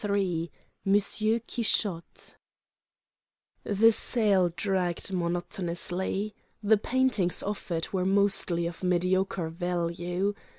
III MONSIEUR QUIXOTE The sale dragged monotonously. The paintings offered were mostly of mediocre value.